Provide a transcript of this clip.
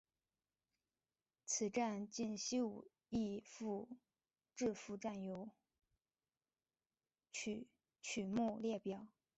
曲目列表